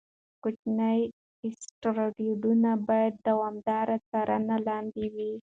کوچني اسټروېډونه باید د دوامداره څارنې لاندې وي.